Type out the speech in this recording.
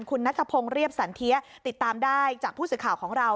คุณนัทพงศ์เรียบสันเทียติดตามได้จากผู้สื่อข่าวของเรา